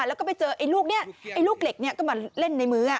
แล้วก็ไปเจอไอ้ลูกนี้ไอ้ลูกเหล็กเนี่ยก็มาเล่นในมื้อ